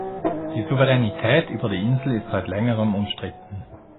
Die Souveränität über die Insel ist seit längerem umstritten.